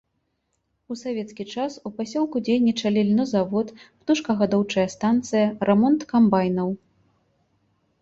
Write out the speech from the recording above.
У савецкі час у пасёлку дзейнічалі льнозавод, птушкагадоўчая станцыя, рамонт камбайнаў.